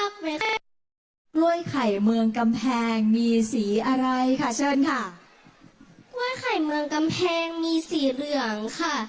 กล้วยไข่เมืองกำแพงมีสีอะไรค่ะเชิญค่ะกล้วยไข่เมืองกำแพงมีสีเหลืองค่ะ